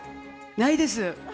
ないです。